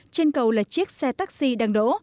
trên cầu là chiếc xe taxi đang đổ